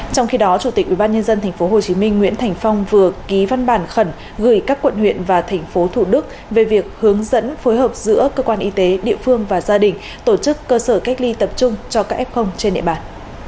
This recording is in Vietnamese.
trong khi đó chủ tịch ubnd tp hcm nguyễn thành phong vừa ký văn bản khẩn gửi các quận huyện và thành phố thủ đức về việc hướng dẫn phối hợp giữa cơ quan y tế địa phương và gia đình tổ chức cơ sở cách ly tập trung cho các f trên địa bàn